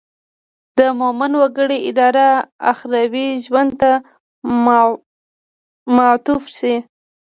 د مومن وګړي اراده اخروي ژوند ته معطوف شي.